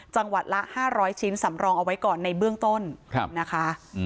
จังหวัดละ๕๐๐ชิ้นสำรองเอาไว้ก่อนในเบื้องต้นนะคะ